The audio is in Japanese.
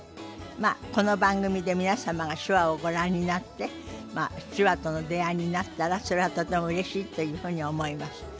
まあこの番組で皆様が手話をご覧になって手話との出会いになったらそれはとてもうれしいというふうに思います。